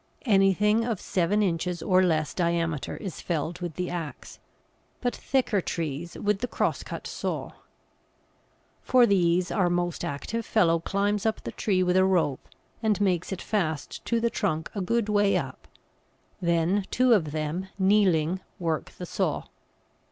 Anything of seven inches or less diameter is felled with the axe, but thicker trees with the cross cut saw. For these our most active fellow climbs up the tree with a rope, and makes it fast to the trunk a good way up, then two of them, kneeling, work the saw.